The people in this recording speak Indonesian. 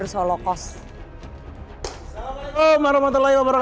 semoga segitu tersebut juga yang harus